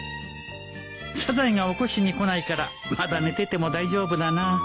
サザエが起こしに来ないからまだ寝てても大丈夫だな